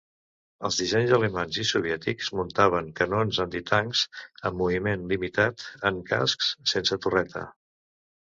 Els dissenys alemanys i soviètics muntaven canons antitancs amb moviment limitat en cascs sense torreta.